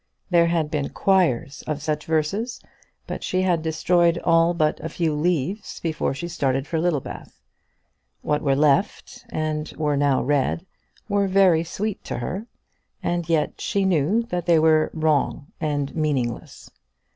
There had been quires of such verses, but she had destroyed all but a few leaves before she started for Littlebath. What were left, and were now read, were very sweet to her, and yet she knew that they were wrong and meaningless.